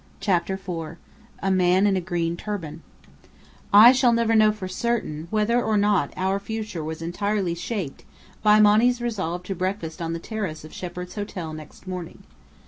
CHAPTER IV A MAN IN A GREEN TURBAN I shall never know for certain whether or not our future was entirely shaped by Monny's resolve to breakfast on the terrace of Shepheard's Hotel next morning.